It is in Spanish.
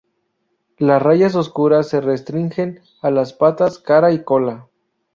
Las rayas oscuras se restringen a las patas, cara y cola.